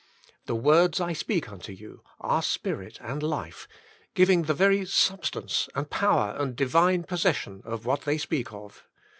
" The words I speak unto you are spirit and life," giving the very substance and power and Divine possession of what they speak of.